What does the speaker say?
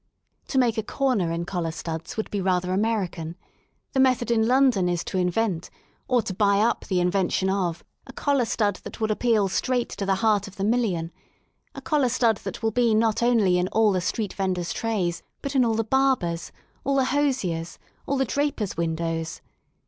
To make a comer in collar studs would be rather American : the method in London is to invent, or to buy up the invention of, a collar stud that will appeal straight to the heart of the million, a collar stud that will be not only in all the street vendors* trays, but in all the barbers^ all the hosiers\ all the drapers* windows.